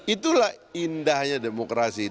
itulah indahnya demokrasi itu